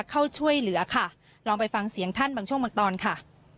เข้าช่วยเหลือค่ะลองไปฟังเสียงท่านบางช่วงบางตอนค่ะ